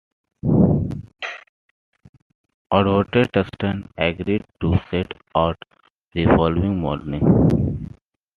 Outvoted, Tusten agreed to set out the following morning.